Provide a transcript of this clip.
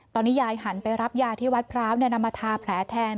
ตอนนี้ยายหันไปรับยาที่วัดพร้าวนำมาทาแผลแทน